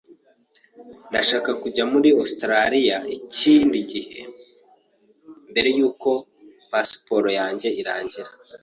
Ndashaka kujya muri Ositaraliya ikindi gihe mbere yuko pasiporo yanjye irangira.